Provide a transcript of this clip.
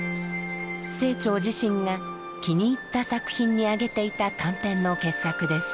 清張自身が気に入った作品にあげていた短編の傑作です。